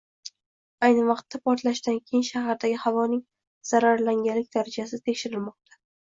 Ayni vaqtda portlashdan keyin shahardagi havoning zararlanganlik darajasi tekshirilmoqda